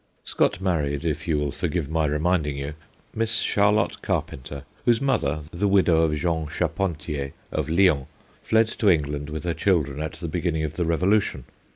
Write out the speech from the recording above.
Scott married, if you will forgive my reminding you, Miss Charlotte Car penter, whose mother, the widow of Jean Dharpentier of Lyons, fled to England with ker children at the beginning of the Revolu tion.